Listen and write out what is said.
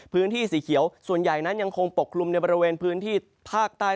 พื้นที่สีเขียวส่วนใหญ่นั้นยังคงปกคลุมในบริเวณพื้นที่ภาคใต้